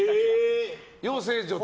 養成所で。